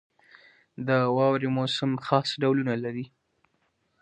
• د واورې موسم خاص ډولونه لري.